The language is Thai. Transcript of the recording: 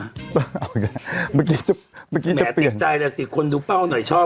แหมติดใจนะสิคนดูเป้าหน่อยชอบ